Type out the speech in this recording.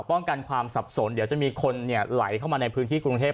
ป้องกันความสับสนเดี๋ยวจะมีคนไหลเข้ามาในพื้นที่กรุงเทพ